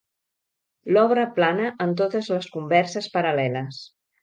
L'obra plana en totes les converses paral·leles.